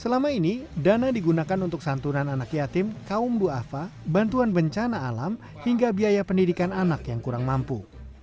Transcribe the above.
selama ini dana digunakan untuk santunan anak yatim kaum ⁇ wafa bantuan bencana alam hingga biaya pendidikan anak yang kurang mampu